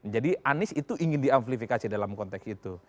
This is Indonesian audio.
jadi anies itu ingin di amplifikasi dalam konteks itu